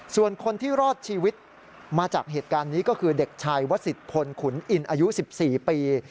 ส่วนคนที่รอดชีวิตมาจากเหตุการณ์นี้ก็คือเด็กชายวสิทธพลขุนอินอายุ๑๔ปี